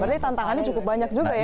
berarti tantangannya cukup banyak juga ya